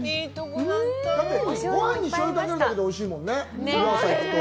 ごはんに醤油をかけるだけでおいしいもんね。